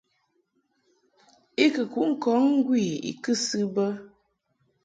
I kɨ kuʼ ŋkɔŋ ŋgwi I kɨsɨ bə.